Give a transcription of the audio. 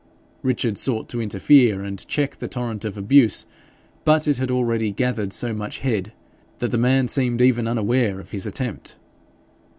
Richard sought to interfere and check the torrent of abuse, but it had already gathered so much head, that the man seemed even unaware of his attempt.